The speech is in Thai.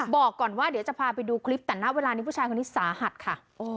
บอกก่อนว่าเดี๋ยวจะพาไปดูคลิปแต่ณเวลานี้ผู้ชายคนนี้สาหัสค่ะ